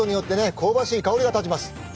香ばしい香りが立ちます。